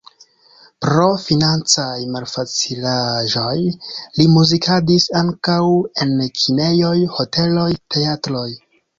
Pro financaj malfacilaĵoj li muzikadis ankaŭ en kinejoj, hoteloj, teatroj.